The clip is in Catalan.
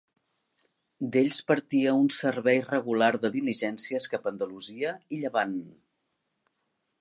D'ells partia un servei regular de diligències cap a Andalusia i Llevant.